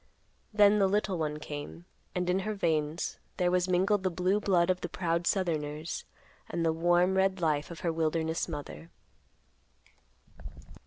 Then the little one came, and in her veins there was mingled the blue blood of the proud southerners and the warm red life of her wilderness mother.